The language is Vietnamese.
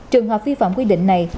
trường hợp vi phạm quy định này